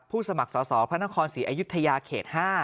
สมัครสอสอพระนครศรีอยุธยาเขต๕